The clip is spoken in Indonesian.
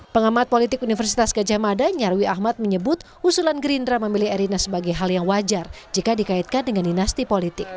pengamat politik universitas gajah mada nyarwi ahmad menyebut usulan gerindra memilih erina sebagai hal yang wajar jika dikaitkan dengan dinasti politik